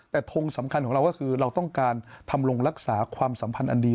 แต่ทงสำคัญของเราก็คือเราต้องการทำลงรักษาความสัมพันธ์อันดี